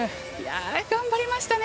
頑張りましたね。